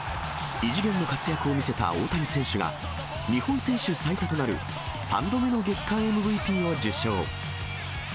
異次元の活躍を見せた大谷選手が、日本選手最多となる３度目の月間ＭＶＰを受賞。